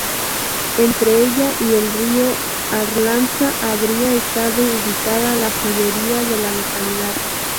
Entre ella y el río Arlanza habría estado ubicada la judería de la localidad.